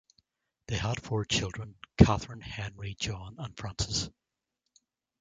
They had four children; Catherine, Henry, John, and Francess.